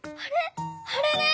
あれれ？